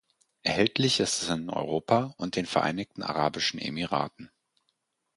Erhältlich ist es in Europa und den Vereinigten Arabischen Emiraten.